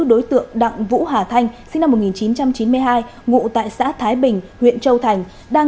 đối tượng đặng vũ hà thanh sinh năm một nghìn chín trăm chín mươi hai ngụ tại xã thái bình huyện châu thành đang